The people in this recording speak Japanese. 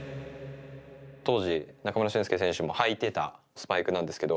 当時、中村俊輔選手も履いてたスパイクなんですけど。